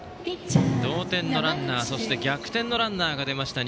同点のランナーそして逆転のランナーが出ました